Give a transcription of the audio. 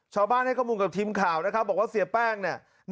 ให้ข้อมูลกับทีมข่าวนะครับบอกว่าเสียแป้งเนี่ย